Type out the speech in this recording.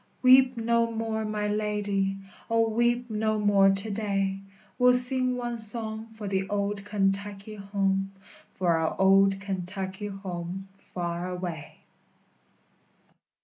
_Weep no more, my lady; O, weep no more to day! We'll sing one song for the old Kentucky home, For our old Kentucky home far away.